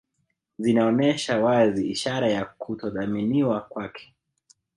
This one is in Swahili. Zinaonyesha wazi ishara ya kutothaminiwa kwake